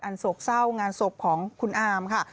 โศกเศร้างานศพของคุณอามค่ะ